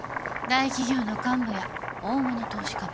大企業の幹部や大物投資家ばっかり。